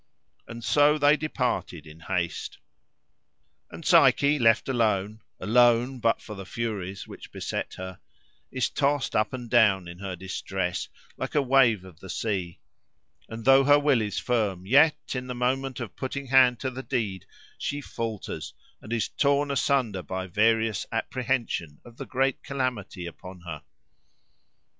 And so they departed in haste. And Psyche left alone (alone but for the furies which beset her) is tossed up and down in her distress, like a wave of the sea; and though her will is firm, yet, in the moment of putting hand to the deed, she falters, and is torn asunder by various apprehension of the great calamity upon her.